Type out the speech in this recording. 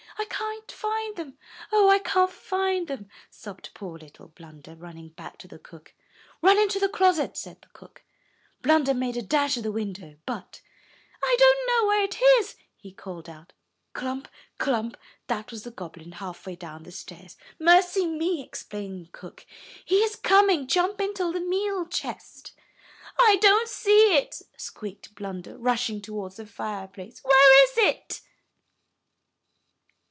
"I can't find them! Oh, I can't find them!" sobbed poor little Blunder, running back to the cook. "Run into the closet," said the cook. Blunder made a dash at the window, but— "I don't know where it is," he called out. Clump! clump! That was the goblin, halfway down the stairs. "Mercy me!" exclaimed cook. "He is coming. Jump into the meal chest." "I don't see it," squeaked Blunder, rushing towards the fireplace. "Where is it?"